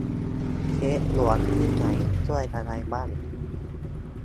เช็กด่วนที่ไหนช่วยอะไรบ้าง